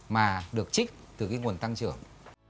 mà được trích từ cái nguồn tăng trưởng